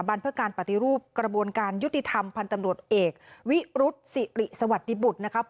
บรรเพื่อการปฏิรูปกระบวนการยุติธรรมพันธ์ตำรวจเอกวิรุษศิริสวัสดิบุตรนะครับ